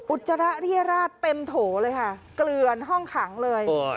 จระเรียราชเต็มโถเลยค่ะเกลือนห้องขังเลย